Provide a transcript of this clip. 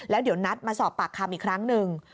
แล้วเดี๋ยวนัดมาสอบปากคำอีกครั้งหนึ่ง